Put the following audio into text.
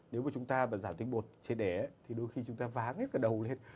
nếu mà chúng ta giảm tinh bột trên đẻ thì đôi khi chúng ta váng hết cái đầu lên